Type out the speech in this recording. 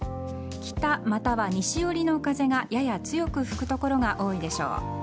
北、または西寄りの風がやや強く吹く所が多いでしょう。